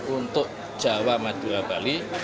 untuk jawa madura bali